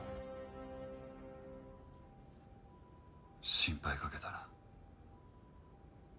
心配かけたな。